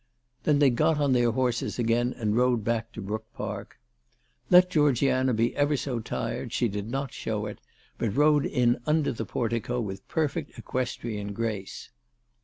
Then they got on their horses again and rode back to Brook Park. Let Georgiana be ever so tired she did not show it, but rode in under the portico with perfect equestrian grace.